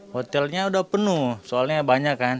hotelnya udah penuh soalnya banyak kan